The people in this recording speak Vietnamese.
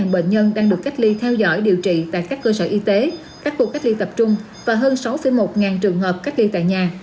một mươi bệnh nhân đang được cách ly theo dõi điều trị tại các cơ sở y tế các khu cách ly tập trung và hơn sáu một trường hợp cách ly tại nhà